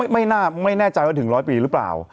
ไม่แน่ใจว่าถึง๑๐๐ปีหรือเปล่า